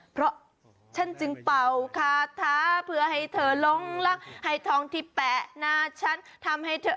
เพราะฉันจึงเป่าคาถาเพื่อให้เธอลงรักให้ทองที่แปะหน้าฉันทำให้เธอ